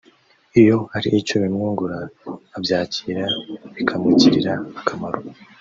iyo hari icyo bimwungura abyakira bikamugirira akamaro